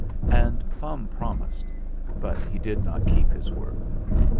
And Fum promised, but he did not keep his word.